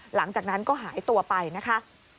หลังจากนั้นก็หายตัวไปนะคะ